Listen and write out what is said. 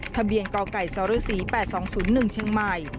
ทะเบียนกกซศ๘๒๐๑ช่างใหม่